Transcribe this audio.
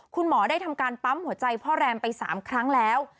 คุณหมอได้ทำการปั๊มหัวใจพ่อแรมไป๓ครั้งแล้ว